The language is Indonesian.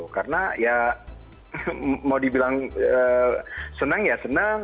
karena ya mau dibilang senang ya senang